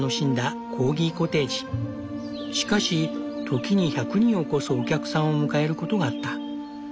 しかし時に１００人を超すお客さんを迎えることがあった。